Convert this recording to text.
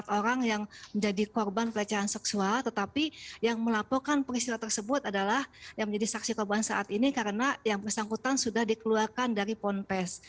empat orang yang menjadi korban pelecehan seksual tetapi yang melaporkan peristiwa tersebut adalah yang menjadi saksi korban saat ini karena yang bersangkutan sudah dikeluarkan dari ponpes